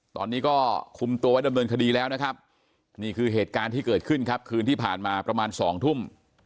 ตอนนี้ก็คุมตัวไว้ดำเนินคดีแล้วนะครับนี่คือเหตุการณ์ที่เกิดขึ้นครับคืนที่ผ่านมาประมาณ๒ทุ่ม